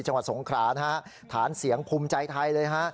จังหวัดสงครานฮะฐานเสียงภูมิใจไทยเลยฮะ